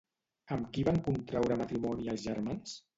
Amb qui van contraure matrimoni els germans?